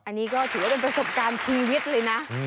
อันนี้ก็ถือว่าเป็นประสบการณ์ชีวิตเลยนะ